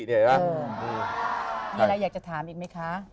มีอะไรอยากจะถามอีกไหมคะ